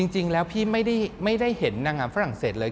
จริงแล้วพี่ไม่ได้เห็นนางงามฝรั่งเศสเลย